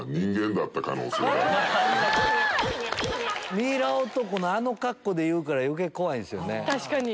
ミイラ男のあの格好で言うから余計怖いんですよね。